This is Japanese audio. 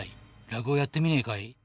落語やってみねぇかい？